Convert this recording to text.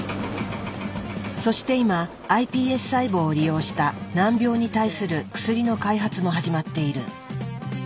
そして今ｉＰＳ細胞を利用した難病に対する薬の開発も始まっている。